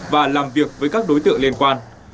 và làm việc với các đối tượng liên quan